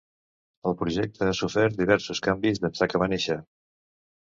El projecte ha sofert diversos canvis d’ençà que va néixer.